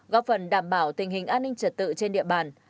góp phần đảm bảo tình hình an ninh trật tự trên địa bàn